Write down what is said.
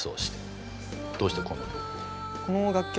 どうしてこの曲を？